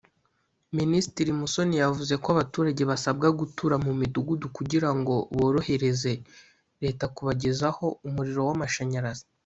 Minisitiri Musoni yavuze ko abaturage basabwa gutura mu midugudu kugira ngo borohereze Leta kubagezaho umuriro w’amashanyarazi